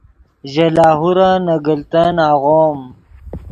ژے لاہورن نے گلتن آغوم